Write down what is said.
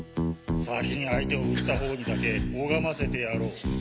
先に相手を売ったほうにだけ拝ませてやろう。